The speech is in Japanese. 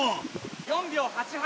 ４秒８８。